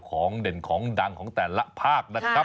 ของเด่นของดังของแต่ละภาค